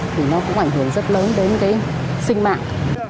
thì nó cũng ảnh hưởng rất lớn đến cái sinh mạng